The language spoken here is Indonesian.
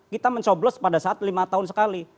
kita mencoblos pada saat lima tahun sekali